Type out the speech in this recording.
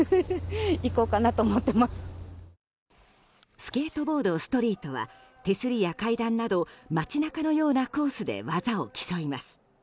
スケートボード・ストリートは手すりや階段など街中のようなコースで技を競います。